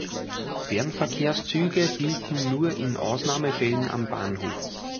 Fernverkehrszüge hielten nur in Ausnahmefällen am Bahnhof.